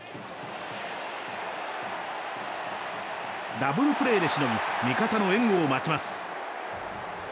ダブルプレーでしのぎ味方の援護を待ちます。